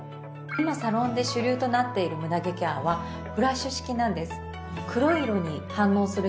今サロンで主流となっているムダ毛ケアはフラッシュ式なんです